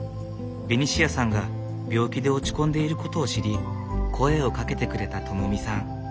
ベニシアさんが病気で落ち込んでいることを知り声をかけてくれた友美さん。